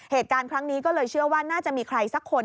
เหตุการณ์ครั้งนี้ก็เลยเชื่อว่าน่าจะมีใครสักคน